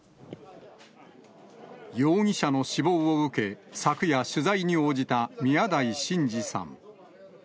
容疑者の死亡を受け、昨夜、取材に応じた宮台真司さん。